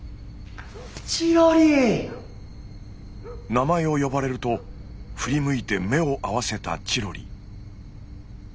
名前を呼ばれると振り向いて目を合わせたチロリ。